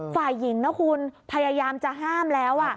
ฝ่ายหญิงนะคุณพยายามจะห้ามแล้ว